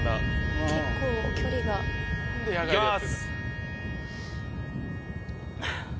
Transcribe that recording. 結構距離が。いきます。